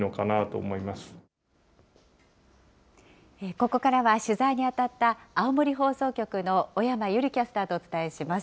ここからは取材に当たった青森放送局の小山悠里キャスターとお伝えします。